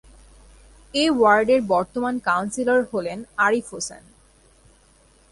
এ ওয়ার্ডের বর্তমান কাউন্সিলর হলেন আরিফ হোসেন।